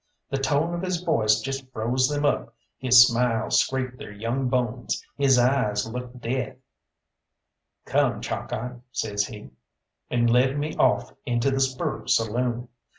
The tone of his voice just froze them up, his smile scraped their young bones, his eyes looked death. "Come, Chalkeye," says he, and led me off into the "Spur" saloon.